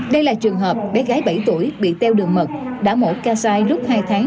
đây là trường hợp bé gái bảy tuổi bị teo đường mật đã mổ ca sai lúc hai tháng